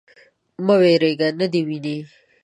_مه وېرېږه. نه دې ويني.